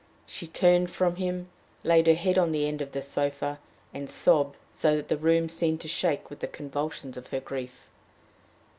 She turned from him, laid her head on the end of the sofa, and sobbed so that the room seemed to shake with the convulsions of her grief.